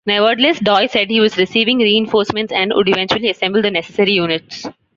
Nevertheless, Doi said he was receiving reinforcements, and would eventually assemble the necessary units.